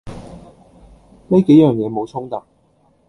呢幾樣嘢冇衝突